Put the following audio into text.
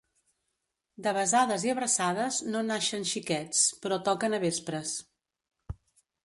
De besades i abraçades no naixen xiquets, però toquen a vespres.